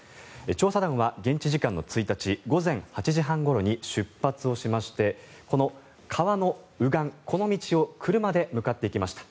調査団は現地時間の１日午前８時半ごろに出発をしましてこの川の右岸、この道を車で向かっていきました。